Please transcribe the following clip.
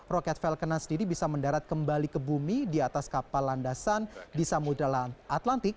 roket falconan sendiri bisa mendarat kembali ke bumi di atas kapal landasan di samudera atlantik